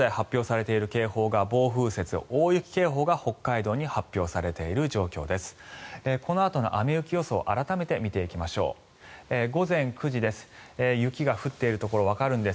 現在発表されている警報が暴風雪、大雪警報が北海道に発表されている状況です。